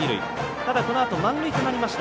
ただ、このあと満塁となりました。